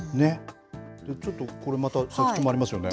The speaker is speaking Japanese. ちょっと、これまた特徴もありますよね。